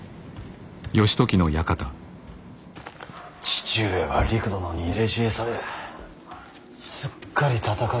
父上はりく殿に入れ知恵されすっかり戦う気だ。